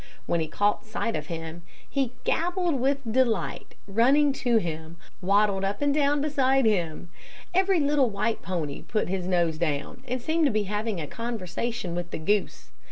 When he caught sight of him, he gabbled with delight, and running to him, waddled up and down beside him. Every little while the pony put his nose down, and seemed to be having a conversation with the goose.